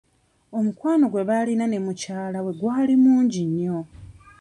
Omukwano gwe baalina ne mukyala we gwali mungi nnyo.